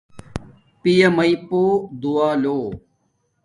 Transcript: پیا میݵ پُو دعا لو